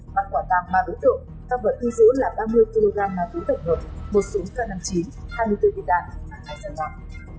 ban quản tạng ba đối tượng các vật thi giữ là ba mươi kg ma túy tệnh hợp một súng k năm mươi chín hai mươi bốn viên đạn hai xe bạc